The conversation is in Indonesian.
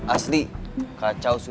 asli kacau sudah